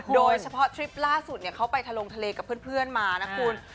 โดยเฉพาะทริปล่าสุดเขาไปทะลงทะเลกับเพื่อนมานะคุณ